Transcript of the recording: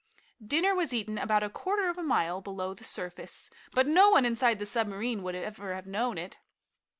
Dinner was eaten about a quarter of a mile below the surface, but no one inside the submarine would ever have known it.